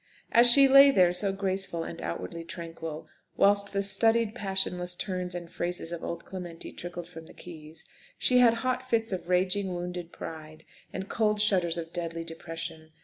As she lay there so graceful and outwardly tranquil, whilst the studied, passionless turns and phrases of old Clementi trickled from the keys, she had hot fits of raging wounded pride, and cold shudders of deadly depression.